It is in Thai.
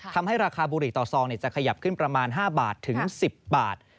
ทำให้ราคาบุหรี่ต่อซองจะขยับขึ้นประมาณ๕บาทถึง๑๐บาท